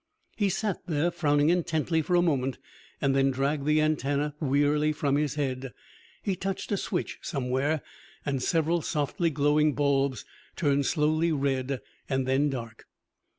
He sat there, frowning intently for a moment, and then dragged the antenna wearily from his head. He touched a switch somewhere, and several softly glowing bulbs turned slowly red and then dark.